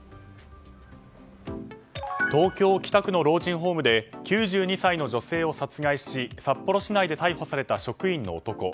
東京・北区の老人ホームで９２歳の女性を殺害し札幌市内で逮捕された職員の男。